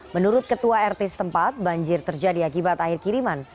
menurut ketua rt setempat banjir terjadi akibat air kiriman